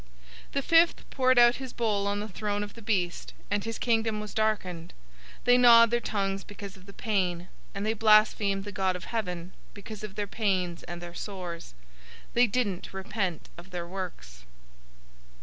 016:010 The fifth poured out his bowl on the throne of the beast, and his kingdom was darkened. They gnawed their tongues because of the pain, 016:011 and they blasphemed the God of heaven because of their pains and their sores. They didn't repent of their works.